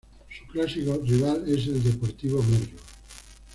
Su clásico rival es el Deportivo Merlo.